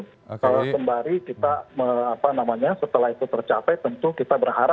kalau sembari kita apa namanya setelah itu tercapai tentu kita berharap